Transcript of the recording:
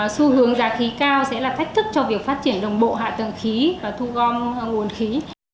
xu hướng giá khí cao sẽ là thách thức cho việc phát triển đồng bộ hạ tầng khí và thu gom nguồn khí